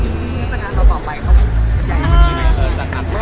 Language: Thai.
อืมนี่เป็นอันต่อไปเข้าใจ